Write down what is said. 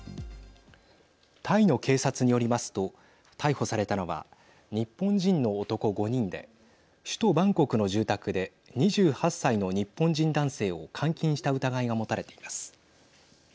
タイの警察によりますと逮捕されたのは日本人の男５人で首都バンコクの住宅で２８歳の日本人男性を監禁した疑いが持たれています。